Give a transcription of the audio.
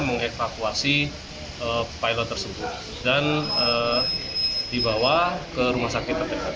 mengevakuasi pilot tersebut dan dibawa ke rumah sakit terdekat